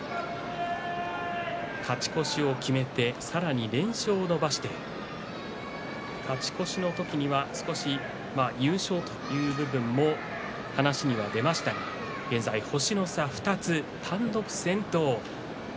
勝ち越しを決めてさらに連勝を伸ばして勝ち越しの時には少し優勝という部分も話には出ましたが現在、星の差２つ、単独先頭。